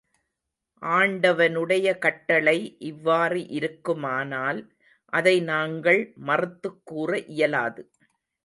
ஆண்டவனுடைய கட்டளை இவ்வாறு இருக்குமானால், அதை நாங்கள் மறுத்துக் கூற இயலாது.